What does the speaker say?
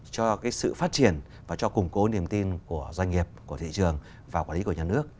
cho cái sự phát triển và cho củng cố niềm tin của doanh nghiệp của thị trường và quản lý của nhà nước